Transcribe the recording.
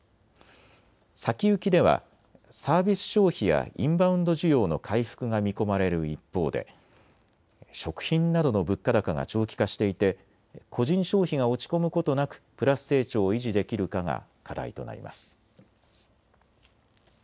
先行きではサービス消費やインバウンド需要の回復が見込まれる一方で食品などの物価高が長期化していて、個人消費が落ち込むことなくプラス成長を維持できるかが課題となります。